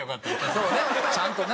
そうねちゃんとな。